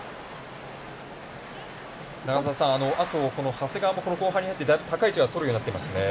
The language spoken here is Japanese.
永里さん、あと長谷川も後半になって、高い位置をとるようになってますね。